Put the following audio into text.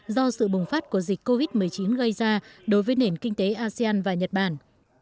do sự bùng phát của dịch covid một mươi chín gây ra đối với nền kinh tế asean và nhật bản